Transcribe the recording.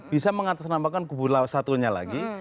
bisa mengatas nampakkan kubu satunya lagi